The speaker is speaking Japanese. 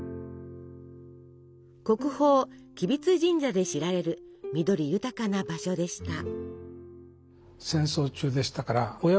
国宝吉備津神社で知られる緑豊かな場所でした。